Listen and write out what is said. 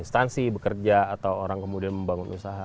instansi bekerja atau orang kemudian membangun usaha